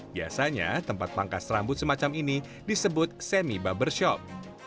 biasanya tempat pangkas rambut semacam ini disebut semi barbershop